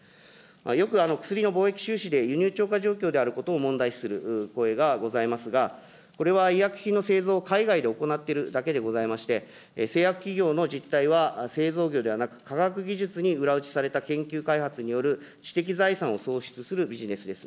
よく薬の貿易収支で輸入超過状況であることを問題視する声がございますが、これは医薬品の製造を海外で行っているだけでございまして、製薬企業の実態は、製造業ではなく科学技術に裏打ちされた研究開発による知的財産を創出するビジネスです。